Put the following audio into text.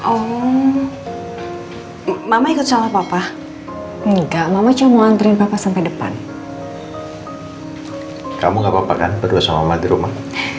oh mama ikut salah papa nggak mau antri sampai depan kamu nggak apa apa kan berdua sama di rumah